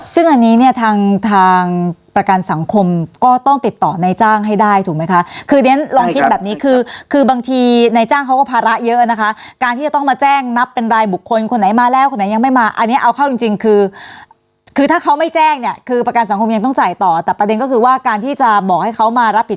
ซึ่งอันนี้เนี่ยทางทางประกันสังคมก็ต้องติดต่อในจ้างให้ได้ถูกไหมคะคือเรียนลองคิดแบบนี้คือคือบางทีในจ้างเขาก็ภาระเยอะนะคะการที่จะต้องมาแจ้งนับเป็นรายบุคคลคนไหนมาแล้วคนไหนยังไม่มาอันนี้เอาเข้าจริงจริงคือคือถ้าเขาไม่แจ้งเนี่ยคือประกันสังคมยังต้องจ่ายต่อแต่ประเด็นก็คือว่าการที่จะบอกให้เขามารับผิด